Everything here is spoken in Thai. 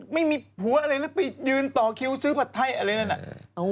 ไม่มีผัวอะไรแล้วไปยืนต่อคิวซื้อผัดไทยอะไรนั่นน่ะ